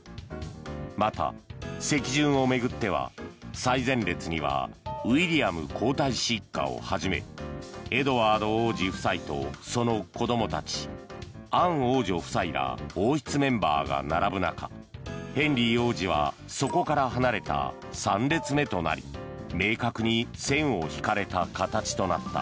また、席順を巡っては最前列にはウィリアム皇太子一家をはじめエドワード王子夫妻とその子供たちアン王女夫妻ら王室メンバーが並ぶ中ヘンリー王子はそこから離れた３列目となり明確に線を引かれた形となった。